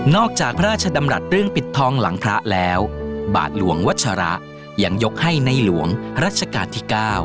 จากพระราชดำรัฐเรื่องปิดทองหลังพระแล้วบาทหลวงวัชระยังยกให้ในหลวงรัชกาลที่๙